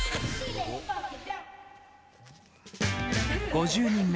５０人目。